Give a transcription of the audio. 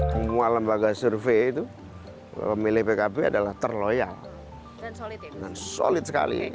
semua lembaga survei itu pemilih pkb adalah terloyal dan solid sekali